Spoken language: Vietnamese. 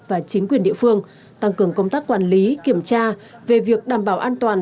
và chính quyền địa phương tăng cường công tác quản lý kiểm tra về việc đảm bảo an toàn